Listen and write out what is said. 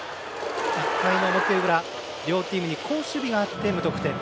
１回の表裏両チームに好守備があって無得点。